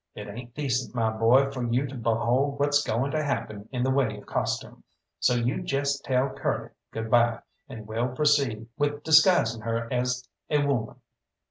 It ain't decent, my boy, for you to behold what's going to happen in the way of costume. So you jest tell Curly good bye, and we'll proceed with disguisin' her as a womern."